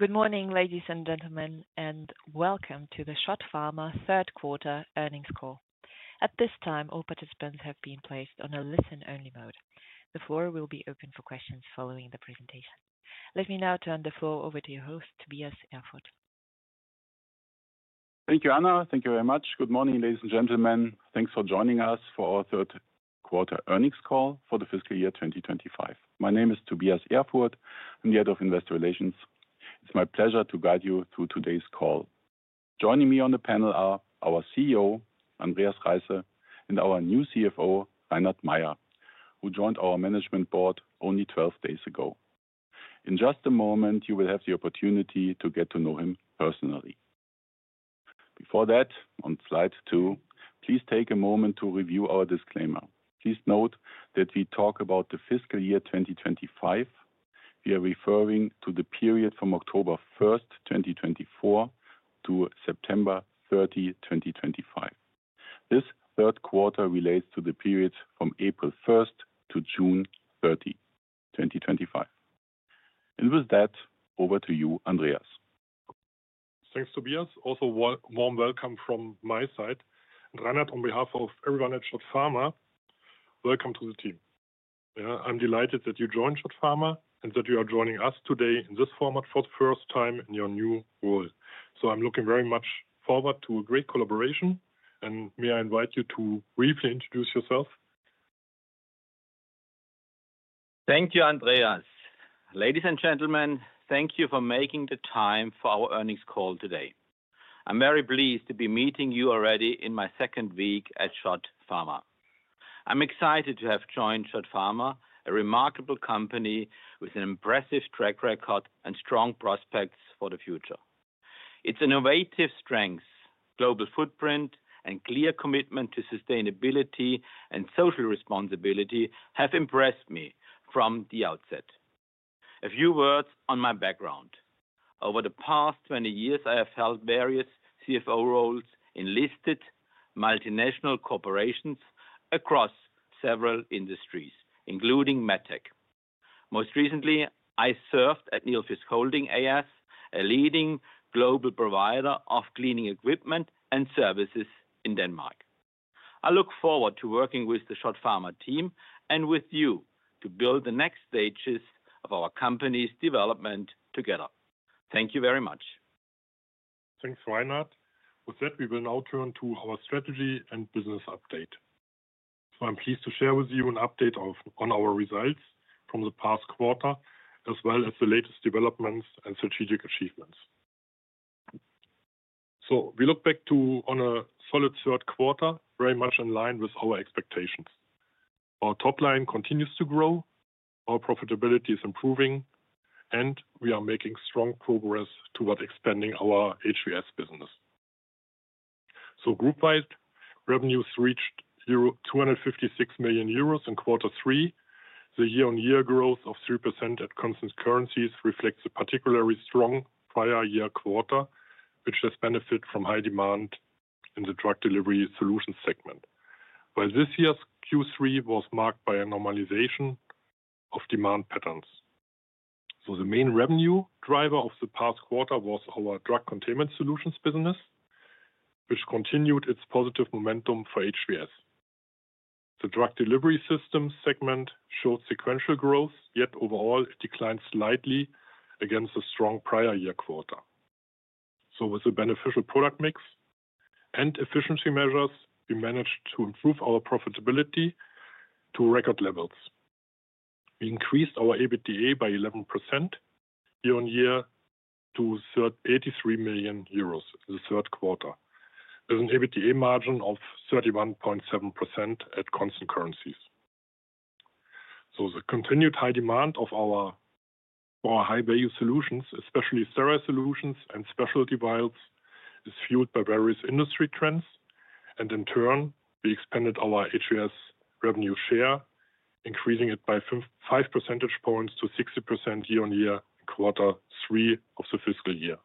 Good morning, ladies and gentlemen, and welcome to the SCHOTT Pharma third quarter earnings call. At this time, all participants have been placed on a listen-only mode. The floor will be open for questions following the presentation. Let me now turn the floor over to your host, Tobias Erfurth. Thank you, Anna, thank you very much. Good morning, ladies and gentlemen. Thanks for joining us for our third quarter earnings call for the fiscal year 2025. My name is Tobias Erfurth. I'm the Head of Investor Relations. It's my pleasure to guide you through today's call. Joining me on the panel are our CEO, Andreas Reisse, and our new CFO, Reinhard Mayer, who joined our management board only 12 days ago. In just a moment, you will have the opportunity to get to know him personally. Before that, on slide two, please take a moment to review our disclaimer. Please note that we talk about the fiscal year 2025. We are referring to the period from October 1st, 2024, to September 30, 2025. This third quarter relates to the period from April 1st to June 30, 2025. With that, over to you, Andreas. Thanks, Tobias. Also, a warm welcome from my side. Reinhard, on behalf of everyone at SCHOTT Pharma, welcome to the team. I'm delighted that you joined SCHOTT Pharma and that you are joining us today in this format for the first time in your new role. I'm looking very much forward to a great collaboration. May I invite you to briefly introduce yourself? Thank you, Andreas. Ladies and gentlemen, thank you for making the time for our earnings call today. I'm very pleased to be meeting you already in my second week at SCHOTT Pharma. I'm excited to have joined SCHOTT Pharma, a remarkable company with an impressive track record and strong prospects for the future. Its innovative strengths, global footprint, and clear commitment to sustainability and social responsibility have impressed me from the outset. A few words on my background. Over the past 20 years, I have held various CFO roles in listed multinational corporations across several industries, including medtech. Most recently, I served at Nilfisk Holding A/S, a leading global provider of cleaning equipment and services in Denmark. I look forward to working with the SCHOTT Pharma team and with you to build the next stages of our company's development together. Thank you very much. Thanks, Reinhard. With that, we will now turn to our strategy and business update. I'm pleased to share with you an update on our results from the past quarter, as well as the latest developments and strategic achievements. We look back on a solid third quarter, very much in line with our expectations. Our top line continues to grow, our profitability is improving, and we are making strong progress towards expanding our HVS business. Group-wise, revenues reached 256 million euros in quarter three. The year-on-year growth of 3% at constant currencies reflects a particularly strong prior year quarter, which has benefited from high demand in the drug delivery solutions segment, while this year's Q3 was marked by a normalization of demand patterns. The main revenue driver of the past quarter was our drug containment solutions business, which continued its positive momentum for HVS. The drug delivery systems segment showed sequential growth, yet overall it declined slightly against the strong prior year quarter. With a beneficial product mix and efficiency measures, we managed to improve our profitability to record levels. We increased our EBITDA by 11% year-on-year to 83 million euros in the third quarter, with an EBITDA margin of 31.7% at constant currencies. The continued high demand of our high-value solutions, especially sterile solutions and specialty vials, is fueled by various industry trends. In turn, we expanded our HVS revenue share, increasing it by 5 percentage points to 60% year-on-year quarter three of the fiscal year.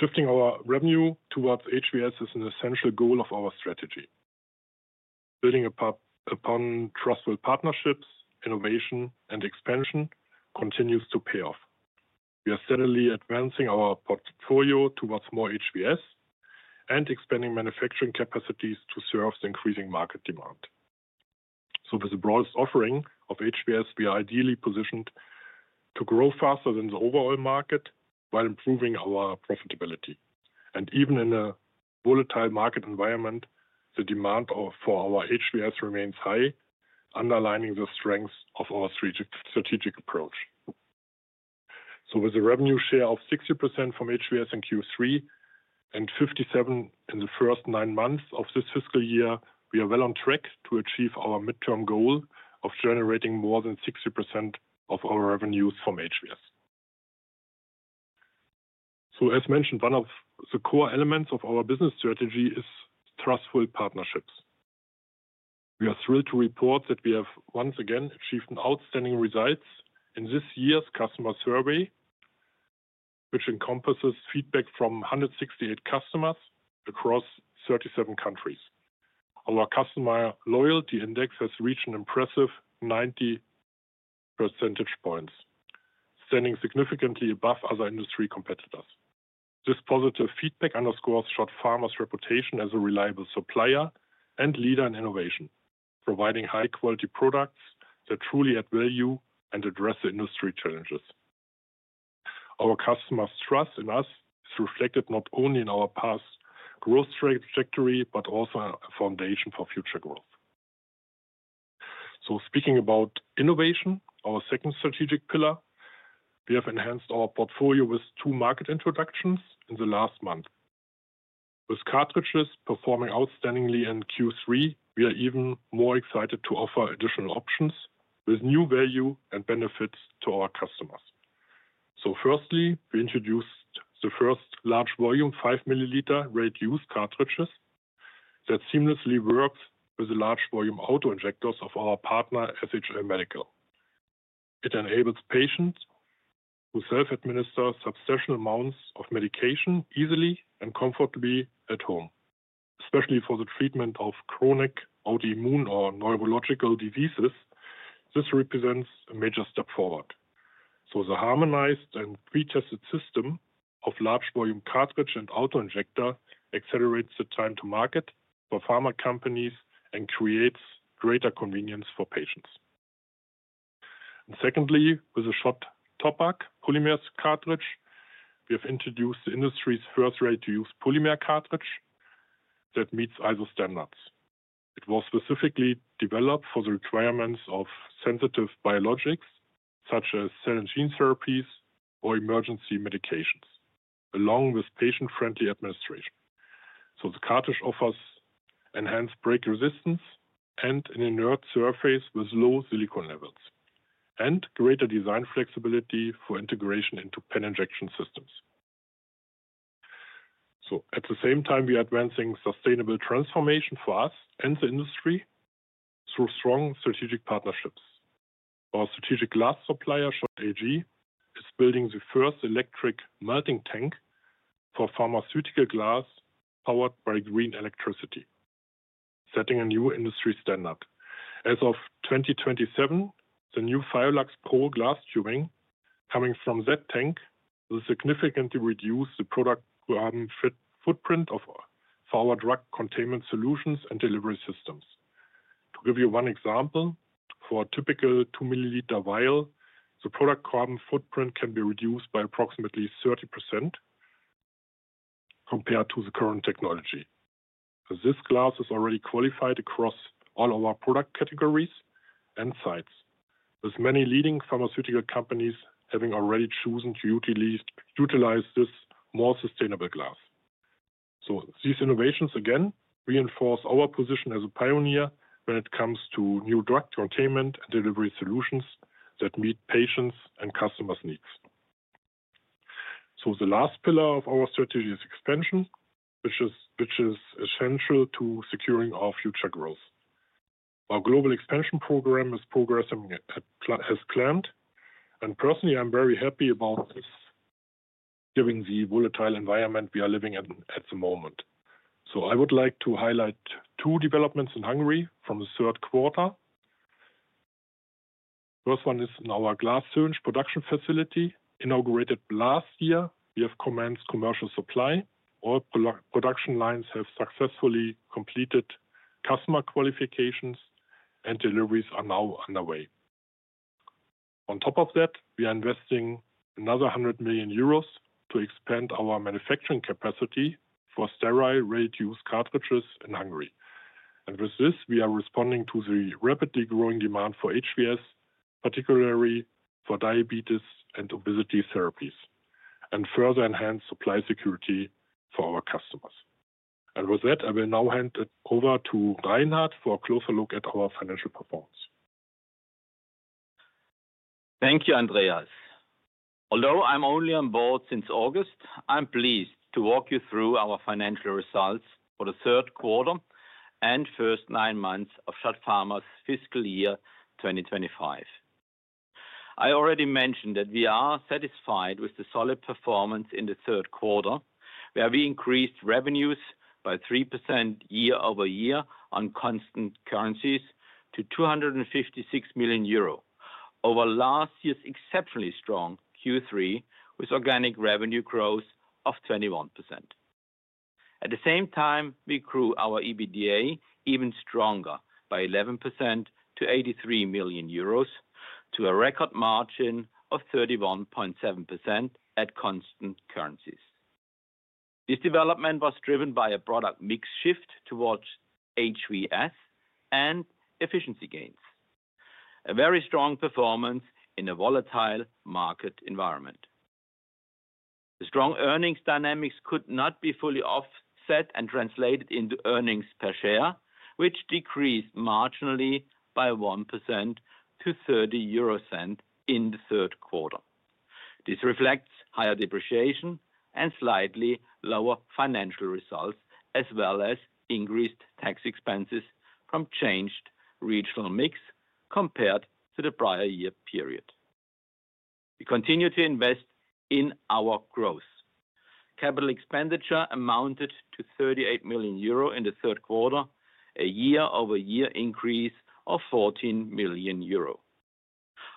Shifting our revenue towards HVS is an essential goal of our strategy. Building upon trustful partnerships, innovation, and expansion continues to pay off. We are steadily advancing our portfolio towards more HVS and expanding manufacturing capacities to serve the increasing market demand. With the broadest offering of HVS, we are ideally positioned to grow faster than the overall market while improving our profitability. Even in a volatile market environment, the demand for our HVS remains high, underlining the strengths of our strategic approach. With a revenue share of 60% from HVS in Q3 and 57% in the first nine months of this fiscal year, we are well on track to achieve our midterm goal of generating more than 60% of our revenues from HVS. As mentioned, one of the core elements of our business strategy is trustful partnerships. We are thrilled to report that we have once again achieved outstanding results in this year's customer survey, which encompasses feedback from 168 customers across 37 countries. Our customer loyalty index has reached an impressive 90%, standing significantly above other industry competitors. This positive feedback underscores SCHOTT Pharma's reputation as a reliable supplier and leader in innovation, providing high-quality products that truly add value and address industry challenges. Our customers' trust in us is reflected not only in our past growth trajectory but also as a foundation for future growth. Speaking about innovation, our second strategic pillar, we have enhanced our portfolio with two market introductions in the last month. With cartridges performing outstandingly in Q3, we are even more excited to offer additional options with new value and benefits to our customers. Firstly, we introduced the first large-volume 5 milliliter ready-to-use cartridges that seamlessly work with the large-volume autoinjectors of our partner, SHL Medical. It enables patients who self-administer substantial amounts of medication easily and comfortably at home, especially for the treatment of chronic autoimmune or neurological diseases. This represents a major step forward. The harmonized and pre-tested system of large-volume cartridge and autoinjector accelerates the time to market for pharma companies and creates greater convenience for patients. Secondly, with the SCHOTT TOPPAC polymer cartridge, we have introduced the industry's first ready-to-use polymer cartridge that meets ISO standards. It was specifically developed for the requirements of sensitive biologics such as cell and gene therapies or emergency medications, along with patient-friendly administration. The cartridge offers enhanced break resistance and an inert surface with low silicon levels and greater design flexibility for integration into pen injection systems. At the same time, we are advancing sustainable transformation for us and the industry through strong strategic partnerships. Our strategic glass supplier, SCHOTT AG, is building the first electric melting tank for pharmaceutical glass powered by green electricity, setting a new industry standard. As of 2027, the new FIOLAX pharmaceutical glass tubing coming from that tank will significantly reduce the product carbon footprint of our drug containment solutions and delivery systems. To give you one example, for a typical 2 milliliter vial, the product carbon footprint can be reduced by approximately 30% compared to the current technology. This glass is already qualified across all our product categories and sites, with many leading pharmaceutical companies having already chosen to utilize this more sustainable glass. These innovations again reinforce our position as a pioneer when it comes to new drug containment and delivery solutions that meet patients' and customers' needs. The last pillar of our strategy is expansion, which is essential to securing our future growth. Our global expansion program is progressing as planned, and personally, I'm very happy about this, given the volatile environment we are living in at the moment. I would like to highlight two developments in Hungary from the third quarter. The first one is in our glass surge production facility, inaugurated last year. We have commenced commercial supply. All production lines have successfully completed customer qualifications, and deliveries are now underway. On top of that, we are investing another 100 million euros to expand our manufacturing capacity for sterile ready-to-use cartridges in Hungary. With this, we are responding to the rapidly growing demand for HVS, particularly for diabetes and obesity therapies, and further enhance supply security for our customers. With that, I will now hand it over to Reinhard for a closer look at our financial performance. Thank you, Andreas. Although I'm only on board since August, I'm pleased to walk you through our financial results for the third quarter and first nine months of Pharma's fiscal year 2025. I already mentioned that we are satisfied with the solid performance in the third quarter, where we increased revenues by 3% year-over-year on constant currencies to 256 million euro over last year's exceptionally strong Q3, with organic revenue growth of 21%. At the same time, we grew our EBITDA even stronger by 11% to 83 million euros, to a record margin of 31.7% at constant currencies. This development was driven by a product mix shift towards HVS and efficiency gains, a very strong performance in a volatile market environment. The strong earnings dynamics could not be fully offset and translated into earnings per share, which decreased marginally by 1% to 0.30 in the third quarter. This reflects higher depreciation and slightly lower financial results, as well as increased tax expenses from changed regional mix compared to the prior year period. We continue to invest in our growth. Capital expenditure amounted to 38 million euro in the third quarter, a year-over-year increase of 14 million euro.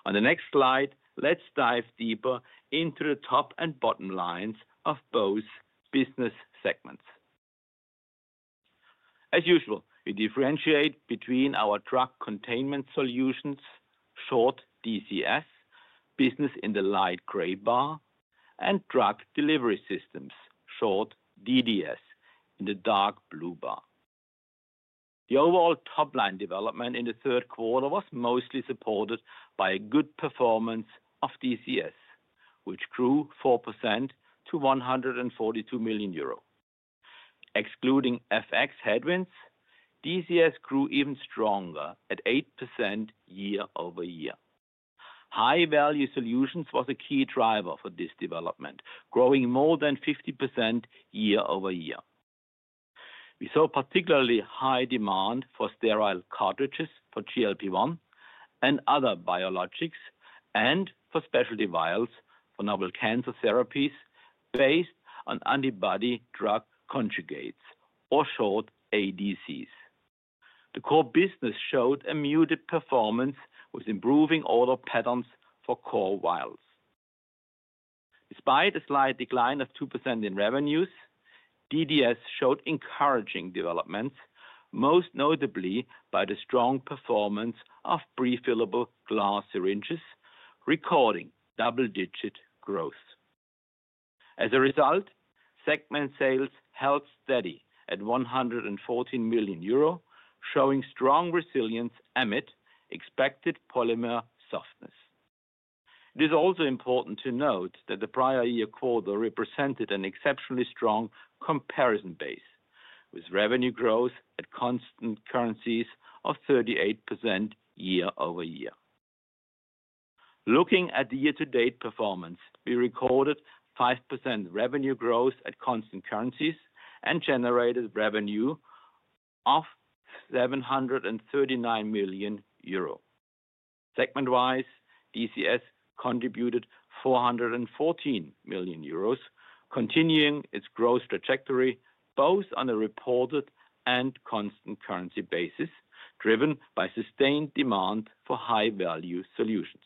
On the next slide, let's dive deeper into the top and bottom lines of both business segments. As usual, we differentiate between our drug containment solutions, short DCS, business in the light gray bar, and drug delivery systems, short DDS, in the dark blue bar. The overall top line development in the third quarter was mostly supported by a good performance of DCS, which grew 4% to 142 million euro. Excluding FX headwinds, DCS grew even stronger at 8% year-over-year. High-value solutions were a key driver for this development, growing more than 50% year-over-year. We saw particularly high demand for sterile cartridges for GLP-1 and other biologics and for specialty vials for novel cancer therapies based on antibody drug conjugates, or short ADCs. The core business showed a muted performance with improving order patterns for core vials. Despite a slight decline of 2% in revenues, DDS showed encouraging developments, most notably by the strong performance of prefillable glass syringes, recording double-digit growth. As a result, segment sales held steady at 114 million euro, showing strong resilience amid expected polymer softness. It is also important to note that the prior year quarter represented an exceptionally strong comparison base, with revenue growth at constant currencies of 38% year-over-year. Looking at the year-to-date performance, we recorded 5% revenue growth at constant currencies and generated revenue of 739 million euro. Segment-wise, DCS contributed 414 million euros, continuing its growth trajectory both on a reported and constant currency basis, driven by sustained demand for high-value solutions.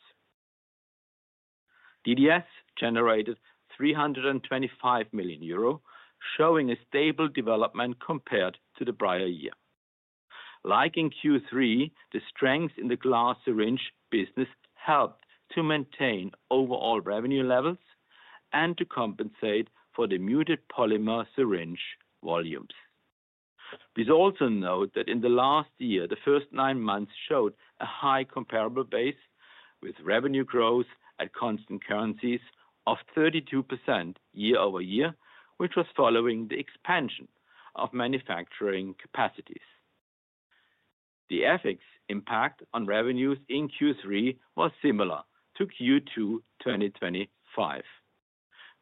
DDS generated 325 million euro, showing a stable development compared to the prior year. Like in Q3, the strengths in the glass syringe business helped to maintain overall revenue levels and to compensate for the muted polymer syringe volumes. Please also note that in the last year, the first nine months showed a high comparable base, with revenue growth at constant currencies of 32% year-over-year, which was following the expansion of manufacturing capacities. The FX impact on revenues in Q3 was similar to Q2 2025.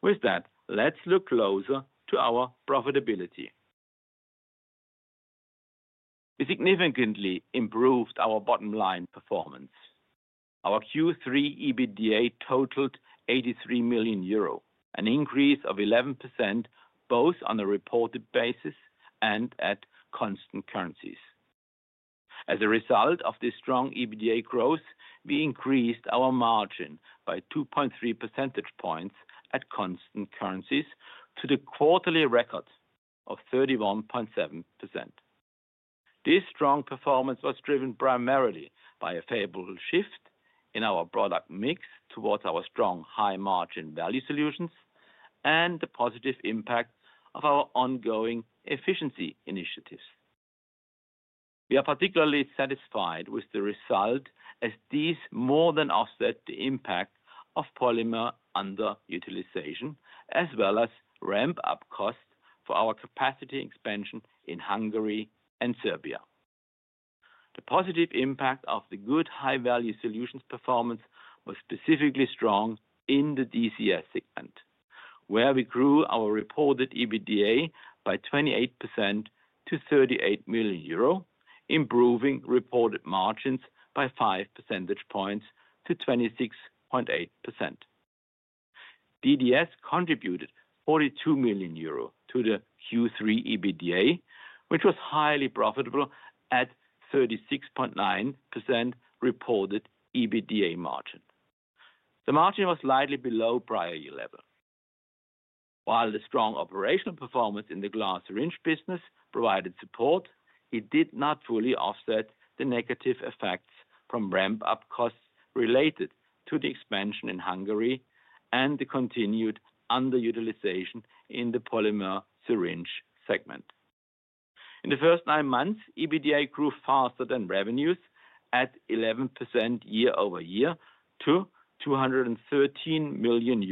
With that, let's look closer to our profitability. We significantly improved our bottom line performance. Our Q3 EBITDA totaled 83 million euro, an increase of 11% both on a reported basis and at constant currencies. As a result of this strong EBITDA growth, we increased our margin by 2.3 percentage points at constant currencies to the quarterly record of 31.7%. This strong performance was driven primarily by a favorable shift in our product mix towards our strong high-margin value solutions and the positive impact of our ongoing efficiency initiatives. We are particularly satisfied with the result, as these more than offset the impact of polymer underutilization, as well as ramp-up costs for our capacity expansion in Hungary and Serbia. The positive impact of the good high-value solutions performance was specifically strong in the DCS segment, where we grew our reported EBITDA by 28% to 38 million euro, improving reported margins by 5 percentage points to 26.8%. DDS contributed 42 million euro to the Q3 EBITDA, which was highly profitable at 36.9% reported EBITDA margin. The margin was slightly below prior year level. While the strong operational performance in the glass syringe business provided support, it did not fully offset the negative effects from ramp-up costs related to the expansion in Hungary and the continued underutilization in the polymer syringe segment. In the first nine months, EBITDA grew faster than revenues at 11% year-over-year to EUR 213 million.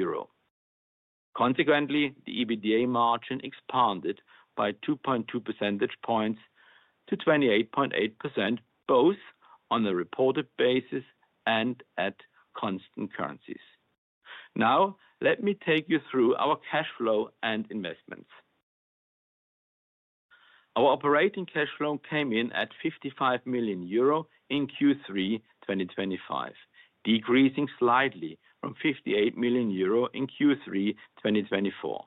Consequently, the EBITDA margin expanded by 2.2 percentage points to 28.8%, both on a reported basis and at constant currencies. Now, let me take you through our cash flow and investments. Our operating cash flow came in at 55 million euro in Q3 2025, decreasing slightly from 58 million euro in Q3 2024.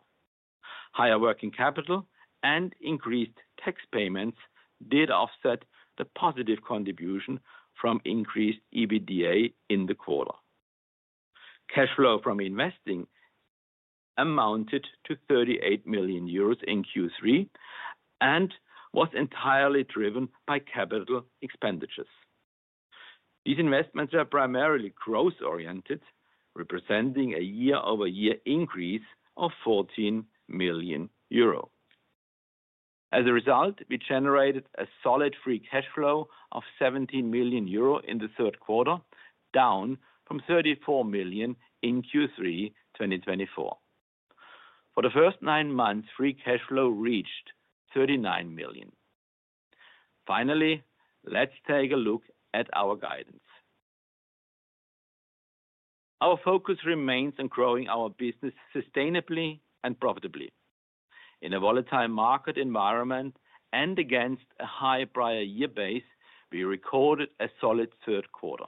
Higher working capital and increased tax payments did offset the positive contribution from increased EBITDA in the quarter. Cash flow from investing amounted to 38 million euros in Q3 and was entirely driven by capital expenditures. These investments are primarily growth-oriented, representing a year-over-year increase of 14 million euro. As a result, we generated a solid free cash flow of 17 million euro in the third quarter, down from 34 million in Q3 2024. For the first nine months, free cash flow reached 39 million. Finally, let's take a look at our guidance. Our focus remains on growing our business sustainably and profitably. In a volatile market environment and against a high prior year base, we recorded a solid third quarter.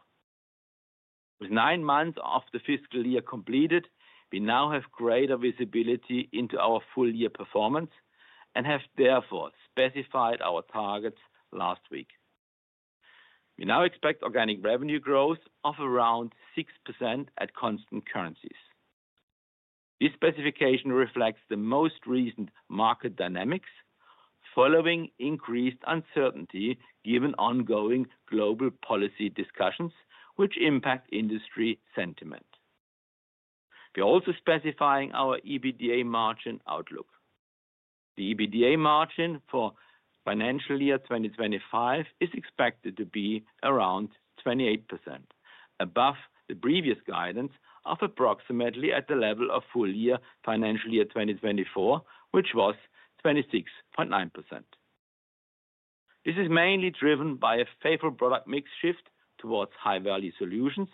With nine months of the fiscal year completed, we now have greater visibility into our full-year performance and have therefore specified our targets last week. We now expect organic revenue growth of around 6% at constant currencies. This specification reflects the most recent market dynamics, following increased uncertainty given ongoing global policy discussions, which impact industry sentiment. We are also specifying our EBITDA margin outlook. The EBITDA margin for financial year 2025 is expected to be around 28%, above the previous guidance of approximately at the level of full-year financial year 2024, which was 26.9%. This is mainly driven by a favorable product mix shift towards high-value solutions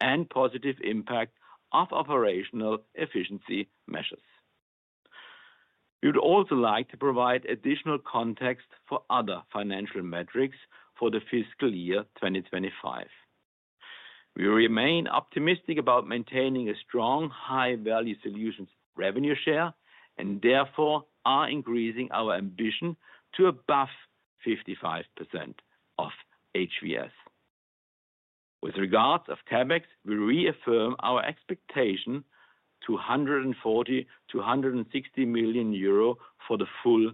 and the positive impact of operational efficiency measures. We would also like to provide additional context for other financial metrics for the fiscal year 2025. We remain optimistic about maintaining a strong high-value solutions revenue share and therefore are increasing our ambition to above 55% of HVS. With regards to CapEx, we reaffirm our expectation to 140 million-160 million euro for the full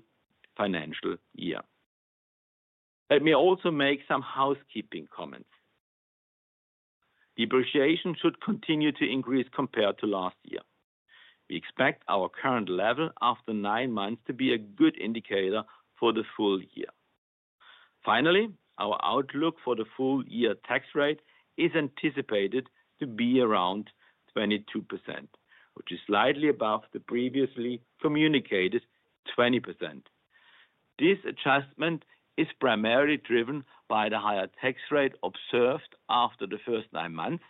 financial year. Let me also make some housekeeping comments. Depreciation should continue to increase compared to last year. We expect our current level after nine months to be a good indicator for the full year. Finally, our outlook for the full-year tax rate is anticipated to be around 22%, which is slightly above the previously communicated 20%. This adjustment is primarily driven by the higher tax rate observed after the first nine months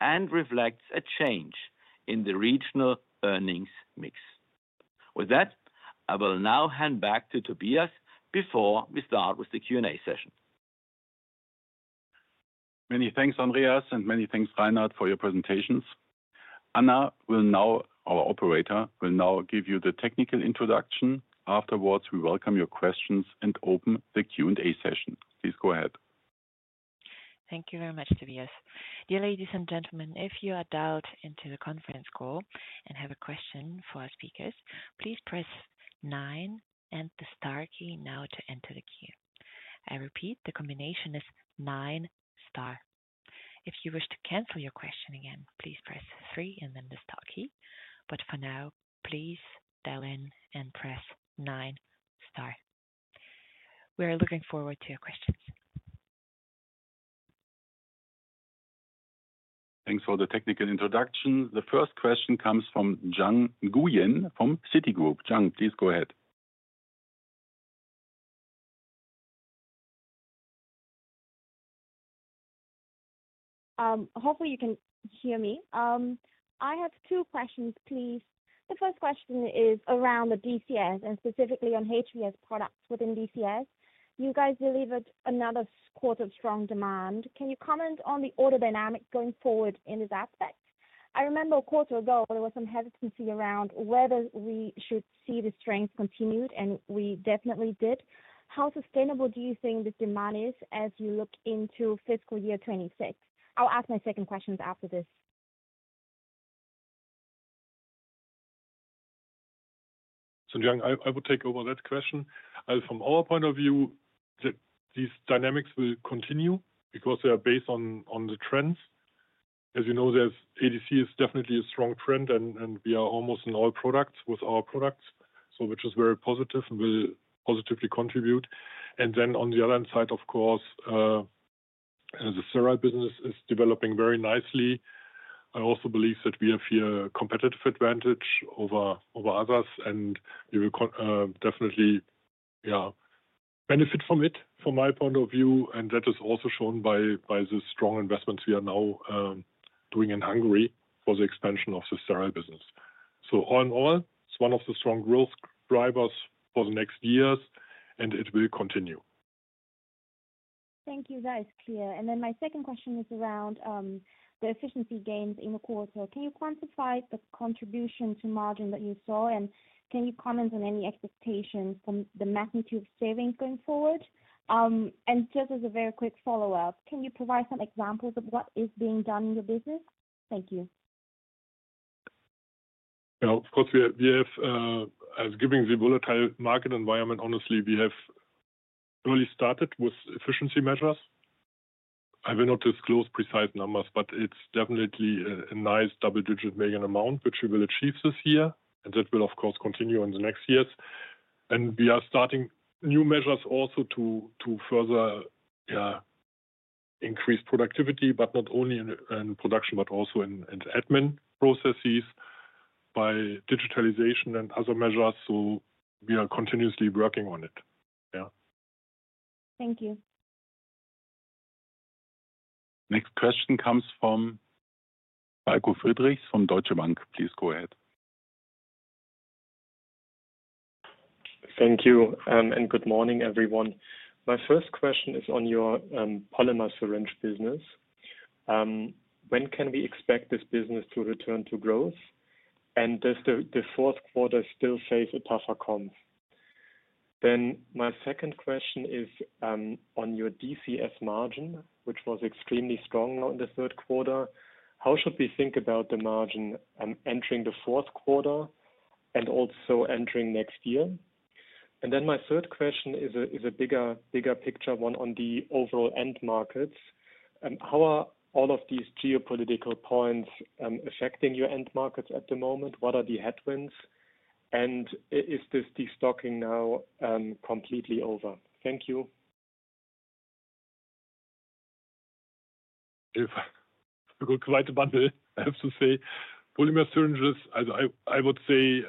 and reflects a change in the regional earnings mix. With that, I will now hand back to Tobias before we start with the Q&A session. Many thanks, Andreas, and many thanks, Reinhard, for your presentations. Anna, our operator, will now give you the technical introduction. Afterwards, we welcome your questions and open the Q&A session. Please go ahead. Thank you very much, Tobias. Dear ladies and gentlemen, if you are dialed into the conference call and have a question for our speakers, please press nine and the star key now to enter the queue. I repeat, the combination is nine star. If you wish to cancel your question again, please press three and then the star key. For now, please dial in and press nine star. We are looking forward to your questions. Thanks for the technical introduction. The first question comes from Zhang Guiyin from Citigroup. Zhang, please go ahead. Hopefully, you can hear me. I have two questions, please. The first question is around the DCS and specifically on HVS products within DCS. You guys delivered another quarter of strong demand. Can you comment on the order dynamic going forward in this aspect? I remember a quarter ago, there was some hesitancy around whether we should see the strains continued, and we definitely did. How sustainable do you think this demand is as you look into fiscal year 2026? I'll ask my second question after this. Zhang, I will take over that question. From our point of view, these dynamics will continue because they are based on the trends. As you know, ADC is definitely a strong trend, and we are almost in all products with our products, which is very positive and will positively contribute. On the other hand, of course, the sterile business is developing very nicely. I also believe that we have here a competitive advantage over others, and we will definitely benefit from it from my point of view. That is also shown by the strong investments we are now doing in Hungary for the expansion of the sterile business. All in all, it's one of the strong growth drivers for the next years, and it will continue. Thank you, that is clear. My second question is around the efficiency gains in the quarter. Can you quantify the contribution to margin that you saw, and can you comment on any expectations from the magnitude of savings going forward? Just as a very quick follow-up, can you provide some examples of what is being done in your business? Thank you. Of course, given the volatile market environment, honestly, we have really started with efficiency measures. I will not disclose precise numbers, but it's definitely a nice double-digit million amount, which we will achieve this year, and that will, of course, continue in the next years. We are starting new measures also to further increase productivity, not only in production, but also in admin processes by digitalization and other measures. We are continuously working on it. Thank you. Next question comes from Falko Friedrichs from Deutsche Bank. Please go ahead. Thank you, and good morning, everyone. My first question is on your polymer syringe business. When can we expect this business to return to growth, and does the fourth quarter still face a tougher comp? My second question is on your DCS margin, which was extremely strong now in the third quarter. How should we think about the margin entering the fourth quarter and also entering next year? My third question is a bigger picture, one on the overall end markets. How are all of these geopolitical points affecting your end markets at the moment? What are the headwinds, and is this destocking now completely over? Thank you. It's a good question, I have to say. Polymer syringes, I would say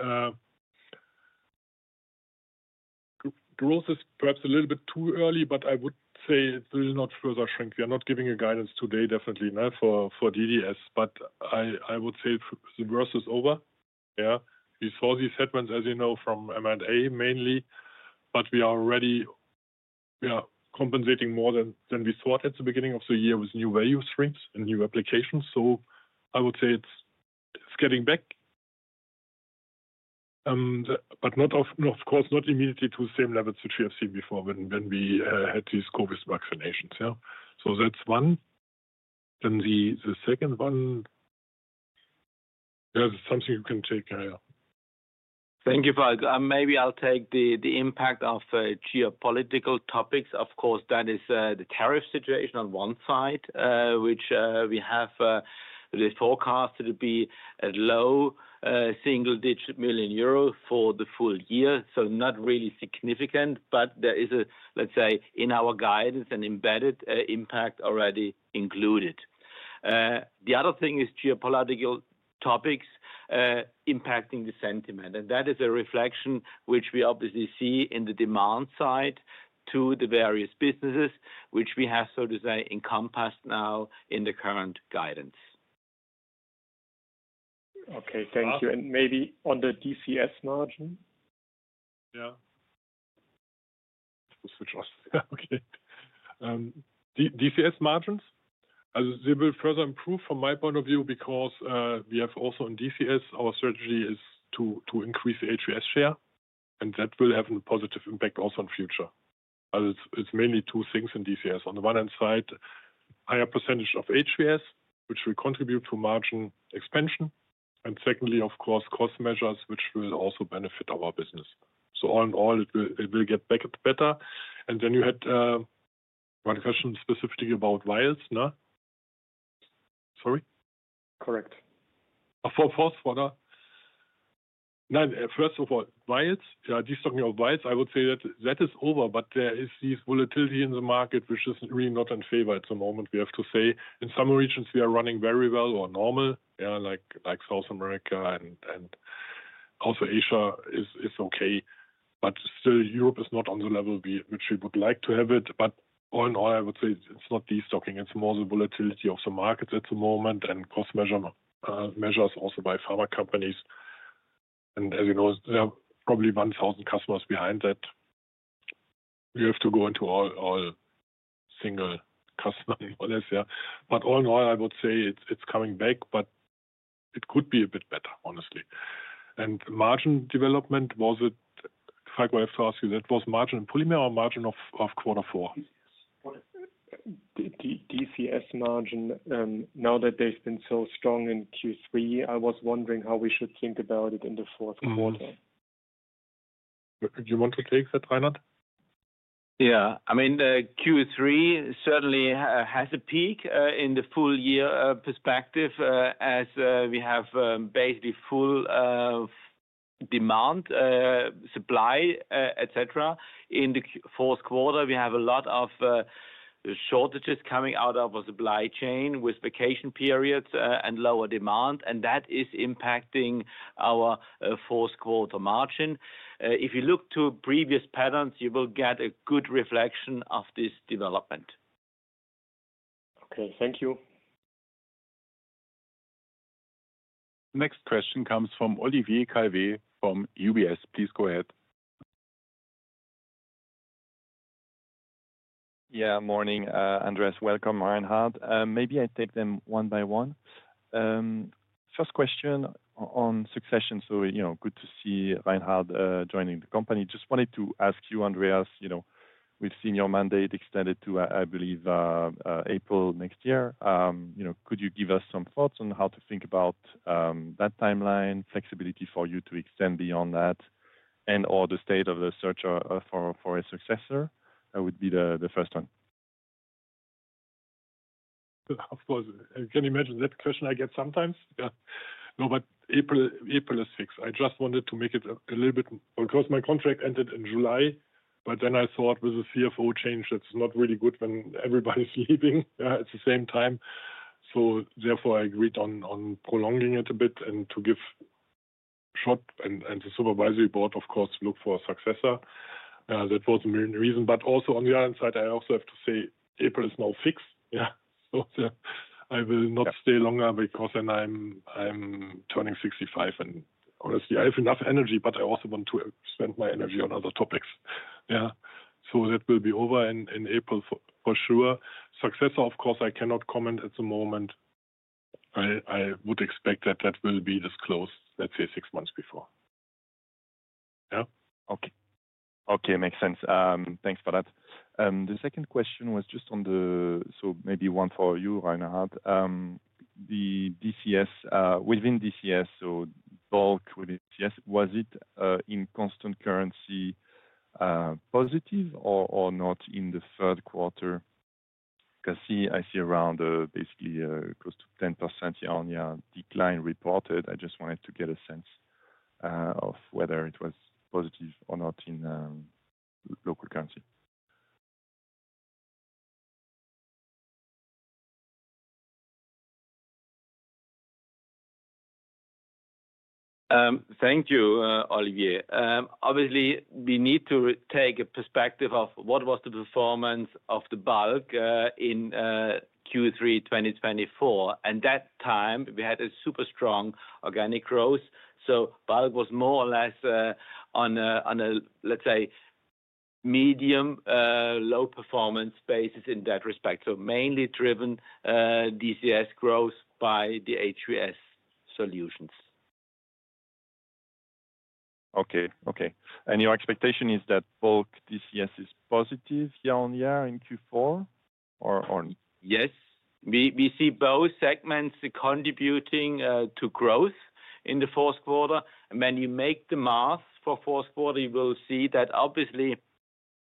growth is perhaps a little bit too early, but I would say it will not further shrink. We are not giving a guidance today, definitely not for DDS, but I would say the worst is over. We saw these headwinds, as you know, from M&A mainly, but we are already compensating more than we thought at the beginning of the year with new value streams and new applications. I would say it's getting back, but not, of course, not immediately to the same levels which we have seen before when we had these COVID vaccinations. That's one. The second one, it's something you can take. Thank you, Andreas. Maybe I'll take the impact of geopolitical topics. Of course, that is the tariff situation on one side, which we have the forecast to be a low single-digit million euros for the full year. Not really significant, but there is, let's say, in our guidance, an embedded impact already included. The other thing is geopolitical topics impacting the sentiment, and that is a reflection which we obviously see in the demand side to the various businesses, which we have, so to say, encompassed now in the current guidance. Okay, thank you. Maybe on the DCS margin? Yeah. DCS margins, they will further improve from my point of view because we have also in DCS, our strategy is to increase the HVS share, and that will have a positive impact also in the future. It's mainly two things in DCS. On the one hand side, a higher percentage of HVS, which will contribute to margin expansion, and secondly, of course, cost measures, which will also benefit our business. All in all, it will get better. You had one question specifically about vials, no? Sorry? Correct. For the first quarter, no, first of all, vials, yeah, destocking of vials, I would say that that is over, but there is this volatility in the market, which is really not in favor at the moment. We have to say, in some regions, we are running very well or normal, yeah, like South America and also Asia is okay, but still, Europe is not on the level which we would like to have it. All in all, I would say it's not destocking. It's more the volatility of the markets at the moment and cost measurement measures also by pharma companies. As you know, there are probably 1,000 customers behind that. We have to go into all single customers for this, yeah. All in all, I would say it's coming back, but it could be a bit better, honestly. Margin development, was it, if I could ask you, that was margin in polymer or margin of quarter four? DCS margin, now that they've been so strong in Q3, I was wondering how we should think about it in the fourth quarter. Do you want to take that, Reinhard? Yeah, I mean, Q3 certainly has a peak in the full-year perspective as we have basically full demand, supply, etc. In the fourth quarter, we have a lot of shortages coming out of our supply chain with vacation periods and lower demand, and that is impacting our fourth quarter margin. If you look to previous patterns, you will get a good reflection of this development. Okay, thank you. Next question comes from Olivier Calvet from UBS. Please go ahead. Yeah, morning, Andreas. Welcome, Reinhard. Maybe I take them one by one. First question on succession. Good to see Reinhard joining the company. Just wanted to ask you, Andreas, we've seen your mandate extended to, I believe, April next year. Could you give us some thoughts on how to think about that timeline, flexibility for you to extend beyond that, and/or the state of the search for a successor? That would be the first one. Of course, I can imagine that question I get sometimes. Yeah, no, but April is fixed. I just wanted to make it a little bit because my contract ended in July, but then I thought with the CFO change, that's not really good when everybody's leaving at the same time. Therefore, I agreed on prolonging it a bit and to give a shot and the Supervisory Board, of course, look for a successor. That was the main reason. Also, on the other hand side, I also have to say April is now fixed. Yeah, so I will not stay longer because I'm turning 65. Honestly, I have enough energy, but I also want to spend my energy on other topics. Yeah, that will be over in April for sure. Successor, of course, I cannot comment at the moment. I would expect that that will be disclosed, let's say, six months before. Yeah. Okay, makes sense. Thanks for that. The second question was just on the, maybe one for you, Reinhard. Within DCS, so bulk within [DCS], was it in constant currency positive or not in the third quarter? Because I see around basically close to 10% year-on-year decline reported. I just wanted to get a sense of whether it was positive or not in local currency. Thank you, Olivier. Obviously, we need to take a perspective of what was the performance of the bulk in Q3 2024. At that time, we had a super strong organic growth. Bulk was more or less on a, let's say, medium low performance basis in that respect. Mainly driven DCS growth by the HVS solutions. Okay. Your expectation is that bulk DCS is positive year-on-year in Q4? Yes, we see both segments contributing to growth in the fourth quarter. When you make the math for the fourth quarter, you will see that obviously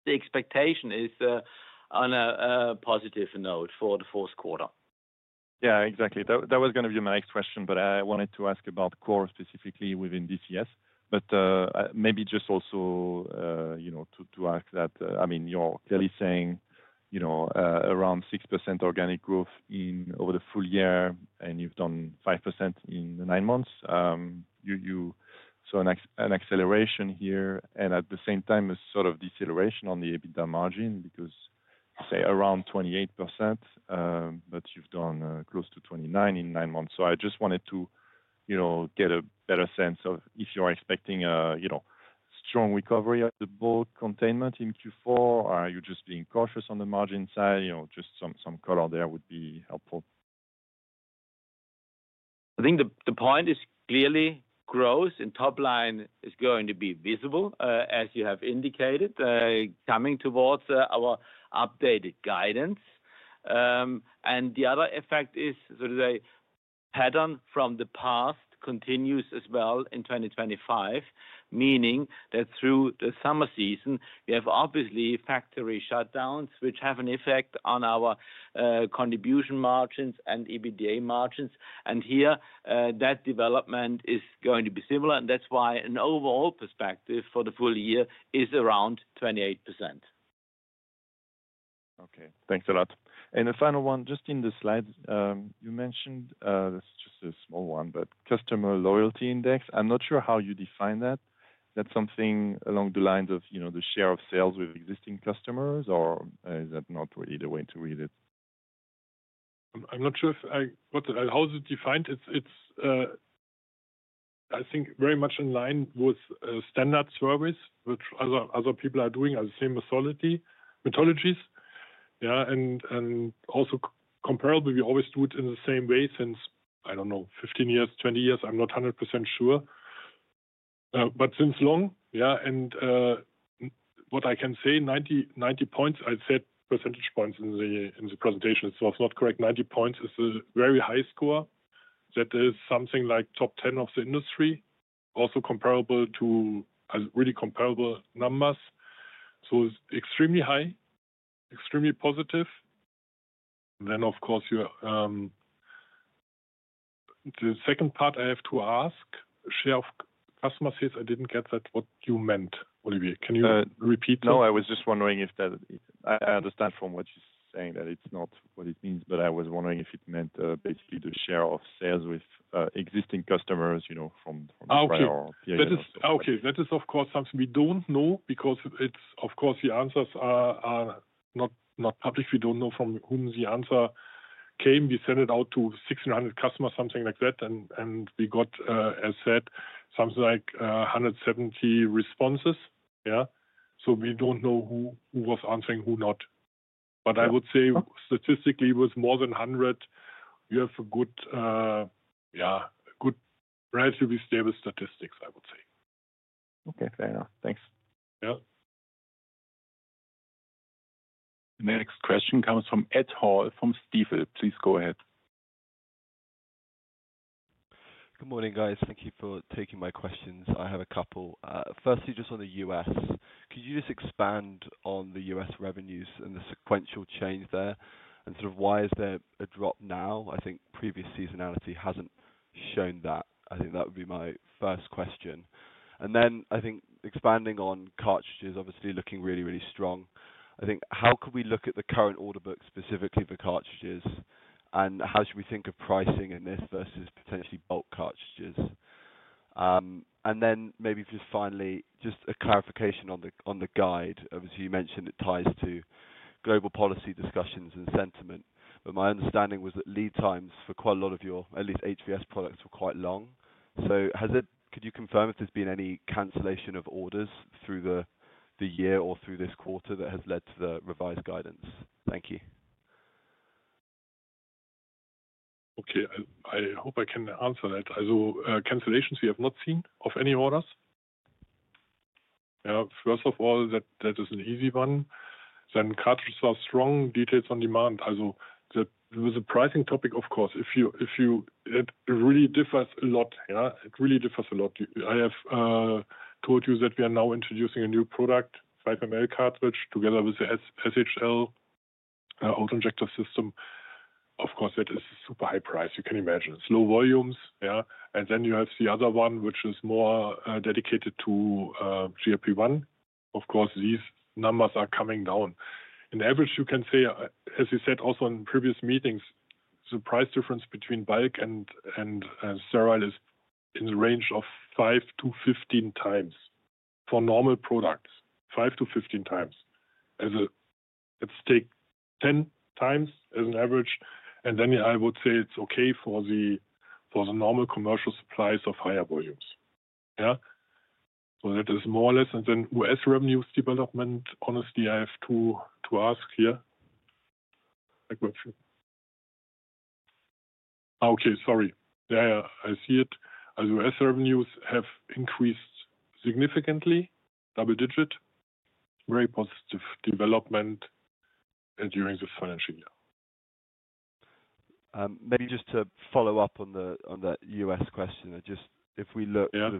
the expectation is on a positive note for the fourth quarter. Yeah, exactly. That was going to be my next question, but I wanted to ask about core specifically within DCS. Maybe just also, you know, to ask that, I mean, you're clearly saying, you know, around 6% organic growth over the full year, and you've done 5% in the nine months. You saw an acceleration here and at the same time a sort of deceleration on the EBITDA margin because, say, around 28%, but you've done close to 29% in nine months. I just wanted to, you know, get a better sense of if you are expecting a, you know, strong recovery of the bulk containment in Q4. Are you just being cautious on the margin side? You know, just some color there would be helpful. I think the point is clearly growth and top line is going to be visible, as you have indicated, coming towards our updated guidance. The other effect is, so to say, the pattern from the past continues as well in 2025, meaning that through the summer season, we have obviously factory shutdowns, which have an effect on our contribution margins and EBITDA margins. Here, that development is going to be similar, and that's why an overall perspective for the full year is around 28%. Okay, thanks a lot. The final one, just in the slides, you mentioned, this is just a small one, but customer loyalty index. I'm not sure how you define that. That's something along the lines of, you know, the share of sales with existing customers, or is that not really the way to read it? I'm not sure if I. How is it defined? I think very much in line with standard service, which other people are doing as the same methodologies. Yeah, and also comparable, we always do it in the same way since, I don't know, 15 years, 20 years, I'm not 100% sure, but since long. What I can say, 90 points, I said percentage points in the presentation itself, not correct, 90 points is a very high score. That is something like top 10 of the industry, also comparable to really comparable numbers. It's extremely high, extremely positive. Of course, the second part I have to ask, share of customer sales, I didn't get that what you meant, Olivier. Can you repeat that? I was just wondering if that... I understand from what you're saying that it's not what it means, but I was wondering if it meant basically the share of sales with existing customers, you know, from. Okay, that is, of course, something we don't know because it's, of course, the answers are not public. We don't know from whom the answer came. We sent it out to 1,600 customers, something like that, and we got, as I said, something like 170 responses. Yeah, we don't know who was answering, who not. I would say statistically, with more than 100, we have a good, yeah, good, relatively stable statistics, I would say. Okay, fair enough. Thanks. Yeah. Next question comes from Ed Hall from Stifel. Please go ahead. Good morning, guys. Thank you for taking my questions. I have a couple. Firstly, just on the U.S., could you just expand on the U.S. revenues and the sequential change there? Why is there a drop now? I think previous seasonality hasn't shown that. That would be my first question. Expanding on cartridges, obviously looking really, really strong. How could we look at the current order book specifically for cartridges? How should we think of pricing in this versus potentially bulk cartridges? Maybe just finally, just a clarification on the guide. Obviously, you mentioned it ties to global policy discussions and sentiment. My understanding was that lead times for quite a lot of your, at least HVS products, were quite long. Could you confirm if there's been any cancellation of orders through the year or through this quarter that has led to the revised guidance? Thank you. Okay, I hope I can answer that. Cancellations we have not seen of any orders. First of all, that is an easy one. Cartridges are strong, details on demand. With the pricing topic, of course, it really differs a lot. Yeah, it really differs a lot. I have told you that we are now introducing a new product, [5 mL] cartridge, together with the SHL auto-injector system. Of course, that is a super high price. You can imagine it's low volumes. Yeah, and then you have the other one, which is more dedicated to GLP-1. Of course, these numbers are coming down. In average, you can say, as I said also in previous meetings, the price difference between bulk and sterile is in the range of 5x to 15x for normal products. 5x to 15x. Let's take 10x as an average. I would say it's okay for the normal commercial supplies of higher volumes. Yeah, that is more or less. U.S. revenues development, honestly, I have to ask here. Okay, sorry. Yeah, yeah, I see it. U.S. revenues have increased significantly, double digit, very positive development during this financial year. Maybe just to follow up on that U.S. question, just if we look at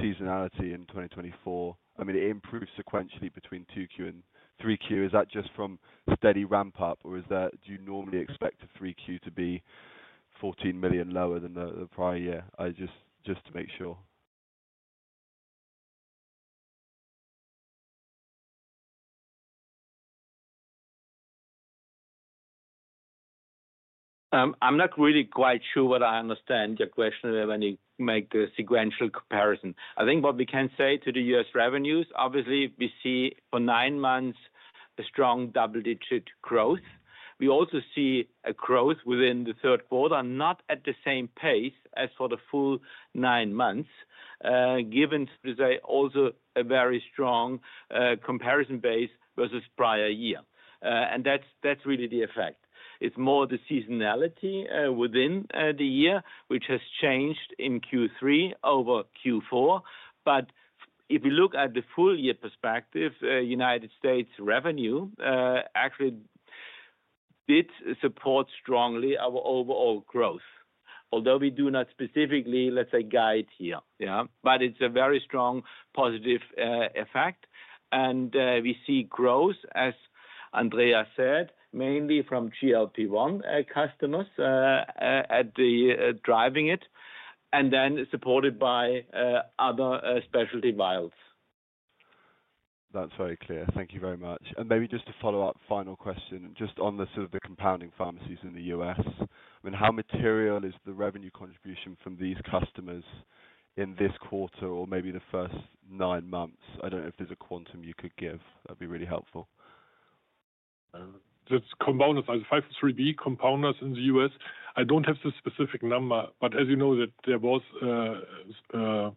seasonality in 2024, I mean, it improves sequentially between 2Q and 3Q. Is that just from steady ramp up, or do you normally expect the 3Q to be $14 million lower than the prior year? Just to make sure. I'm not really quite sure what I understand your question when you make the sequential comparison. I think what we can say to the U.S. revenues, obviously, we see for nine months a strong double-digit growth. We also see a growth within the third quarter, not at the same pace as for the full nine months, given also a very strong comparison base versus prior year. That's really the effect. It's more the seasonality within the year, which has changed in Q3 over Q4. If you look at the full year perspective, United States revenue actually did support strongly our overall growth, although we do not specifically, let's say, guide here. Yeah, it's a very strong positive effect. We see growth, as Andreas said, mainly from GLP-1 customers driving it, and then supported by other specialty vials. That's very clear. Thank you very much. Maybe just to follow up, final question, just on the sort of the compounding pharmacies in the U.S. I mean, how material is the revenue contribution from these customers in this quarter or maybe the first nine months? I don't know if there's a quantum you could give. That'd be really helpful. I don't have the specific number, but as you know, there was a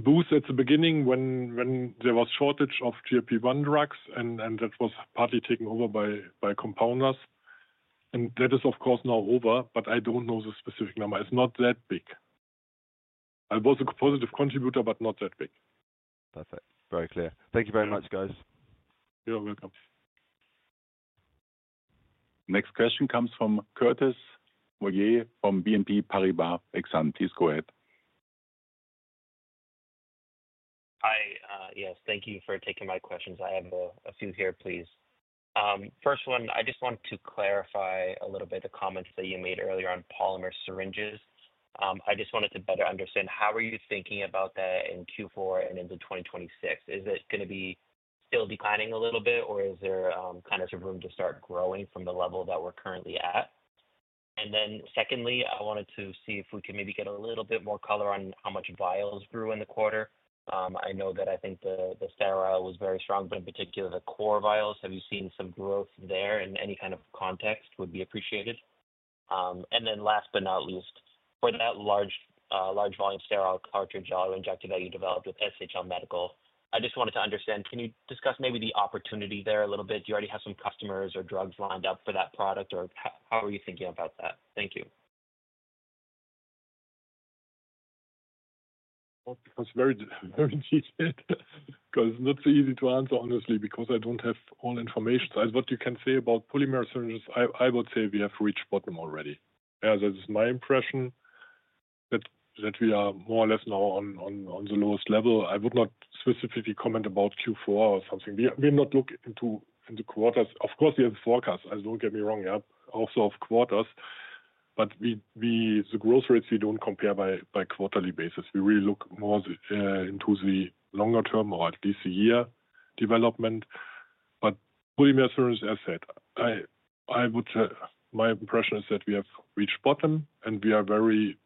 boost at the beginning when there was a shortage of GLP-1 drugs, and that was partly taken over by compounders. That is, of course, now over, but I don't know the specific number. It's not that big. It was a positive contributor, but not that big. Perfect. Very clear. Thank you very much, guys. You're welcome. Next question comes from Curtis Moyer from BNP Paribas Exane. Please go ahead. Hi. Yes, thank you for taking my questions. I have a few here, please. First one, I just want to clarify a little bit the comments that you made earlier on polymer syringes. I just wanted to better understand how are you thinking about that in Q4 and into 2026? Is it going to be still declining a little bit, or is there kind of room to start growing from the level that we're currently at? Secondly, I wanted to see if we could maybe get a little bit more color on how much vials grew in the quarter. I know that I think the sterile was very strong, but in particular the core vials, have you seen some growth there in any kind of context would be appreciated? Last but not least, for that large-volume sterile cartridge auto-injector that you developed with SHL Medical, I just wanted to understand, can you discuss maybe the opportunity there a little bit? Do you already have some customers or drugs lined up for that product, or how are you thinking about that? Thank you. That's very detailed because it's not so easy to answer, honestly, because I don't have all information. What you can say about polymer syringes, I would say we have reached bottom already. Yeah, that is my impression that we are more or less now on the lowest level. I would not specifically comment about Q4 or something. We will not look into quarters. Of course, we have the forecasts, don't get me wrong, yeah, also of quarters, but the growth rates we don't compare by quarterly basis. We really look more into the longer term or at least the year development. Polymer syringes, as I said, my impression is that we have reached bottom and we are very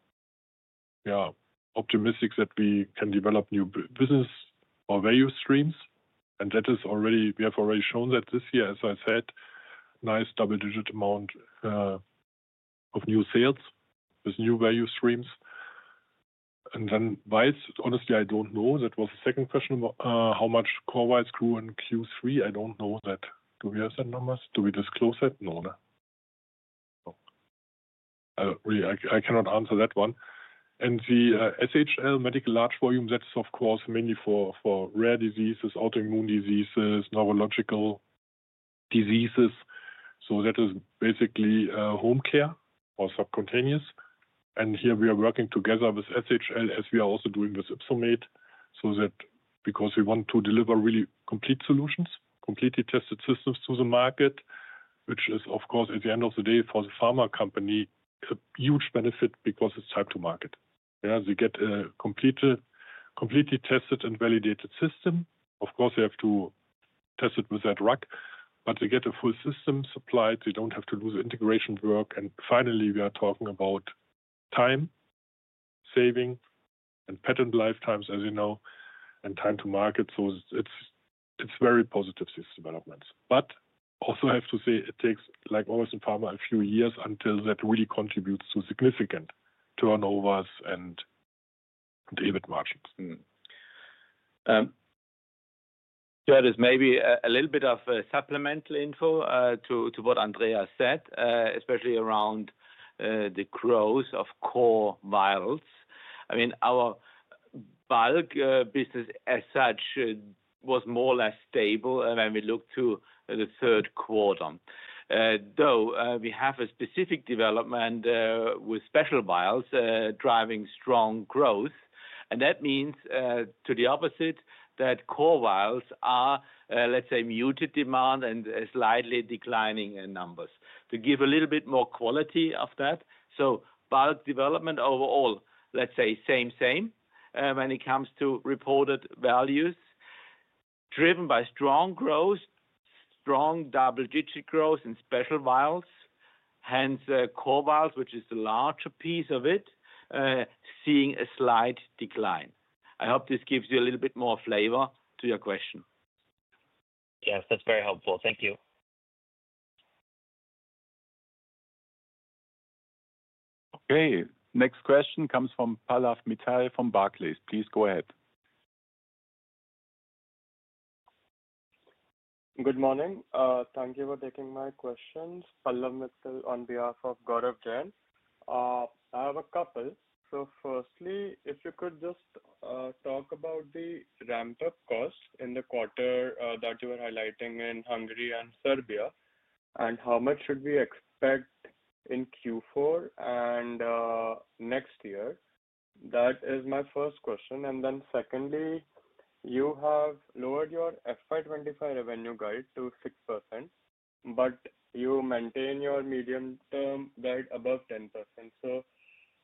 optimistic that we can develop new business or value streams. That is already, we have already shown that this year, as I said, nice double-digit amount of new sales with new value streams. Then vials, honestly, I don't know. That was the second question, how much core vials grew in Q3. I don't know that. Do we have that number? Do we disclose that? No, no. I cannot answer that one. The SHL Medical large-volume, that is of course mainly for rare diseases, autoimmune diseases, neurological diseases. That is basically home care or subcutaneous. Here we are working together with SHL as we are also doing with Ypsomed. That is because we want to deliver really complete solutions, completely tested systems to the market, which is of course at the end of the day for the pharma company, it's a huge benefit because it's tied to market. Yeah, they get a completely tested and validated system. Of course, they have to test it with that rack, but they get a full system supplied. They don't have to lose integration work. Finally, we are talking about time saving and patent lifetimes, as you know, and time to market. It's very positive, this development. I have to say it takes, like always in pharma, a few years until that really contributes to significant turnovers and EBIT margins. That is maybe a little bit of supplemental info to what Andreas said, especially around the growth of core vials. I mean, our bulk business as such was more or less stable when we looked to the third quarter. Though we have a specific development with specialty vials driving strong growth. That means to the opposite that core vials are, let's say, muted demand and slightly declining in numbers. To give a little bit more quality of that. Bulk development overall, let's say same-same when it comes to reported values, driven by strong growth, strong double-digit growth in specialty vials, hence core vials, which is the larger piece of it, seeing a slight decline. I hope this gives you a little bit more flavor to your question. Yes, that's very helpful. Thank you. Okay, next question comes from Pallav Mittal from Barclays. Please go ahead. Good morning. Thank you for taking my questions. Pallav Mittal on behalf of Gaurav Jain. I have a couple. Firstly, if you could just talk about the ramp-up costs in the quarter that you were highlighting in Hungary and Serbia, and how much should we expect in Q4 and next year? That is my first question. Secondly, you have lowered your FY 2025 revenue guide to 6%, but you maintain your medium-term guide above 10%.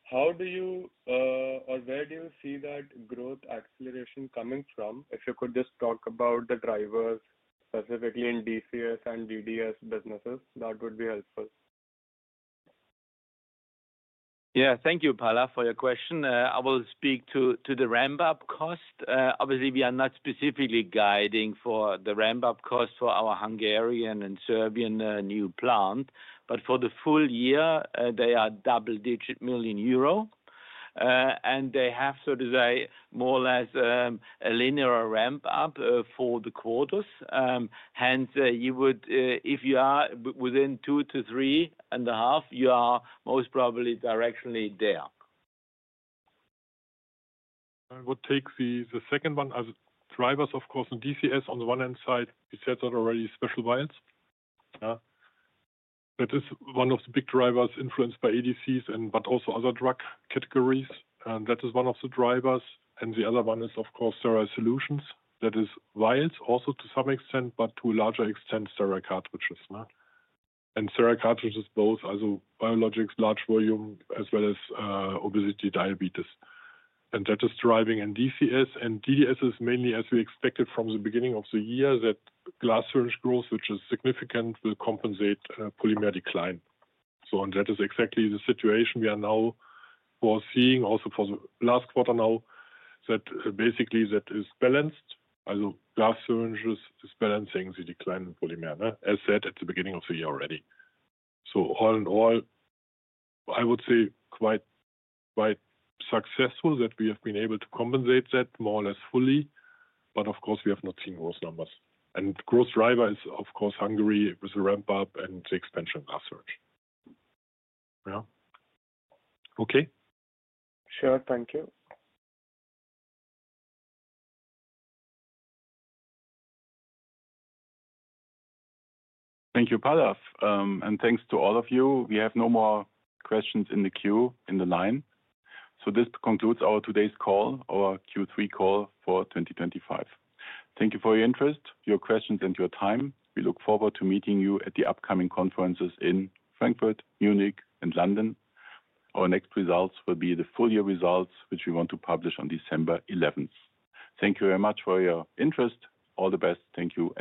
How do you, or where do you see that growth acceleration coming from? If you could just talk about the drivers specifically in DCS and DDS businesses, that would be helpful. Thank you, Pallav, for your question. I will speak to the ramp-up cost. Obviously, we are not specifically guiding for the ramp-up cost for our Hungarian and Serbian new plant, but for the full year, they are double-digit million euros. They have, so to say, more or less a linear ramp-up for the quarters. Hence, if you are within two to three and a half, you are most probably directionally there. I would take the second one as drivers, of course, on DCS on the one-hand side, we said that already, specialty vials. That is one of the big drivers influenced by ADCs and also other drug categories. That is one of the drivers. The other one is, of course, sterile solutions. That is vials also to some extent, but to a larger extent, sterile cartridges. Sterile cartridges both, also biologics, large volume, as well as obesity, diabetes. That is driving in DCS. DDS is mainly, as we expected from the beginning of the year, that glass syringe growth, which is significant, will compensate polymer decline. That is exactly the situation we are now foreseeing also for the last quarter now, that basically that is balanced. Also, glass syringes is balancing the decline in polymer, as said at the beginning of the year already. All in all, I would say quite successful that we have been able to compensate that more or less fully. Of course, we have not seen those numbers. The growth driver is, of course, Hungary with the ramp-up and the expansion of glass syringe. Sure, thank you. Thank you, Pallav. Thank you to all of you. We have no more questions in the queue. This concludes our today's call, our Q3 call for 2025. Thank you for your interest, your questions, and your time. We look forward to meeting you at the upcoming conferences in Frankfurt, Munich, and London. Our next results will be the full-year results, which we want to publish on December 11. Thank you very much for your interest. All the best. Thank you.